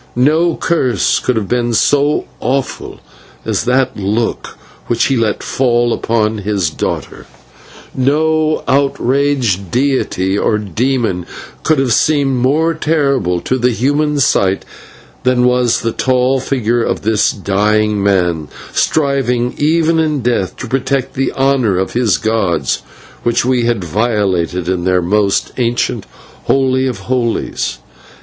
No course could have been so awful as that look which he let fall upon his daughter, and no outraged deity or demon could have seemed more terrible to the human sight than was the tall figure of this dying man, striving even in death to protect the honour of his gods, which we had violated in their most holy of holies.